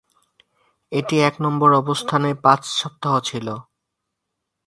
এটি এক নম্বর অবস্থানে পাঁচ সপ্তাহ ছিল।